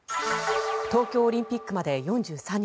東京オリンピックまで４３日。